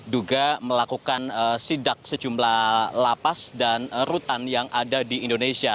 duga melakukan sidak sejumlah lapas dan rutan yang ada di indonesia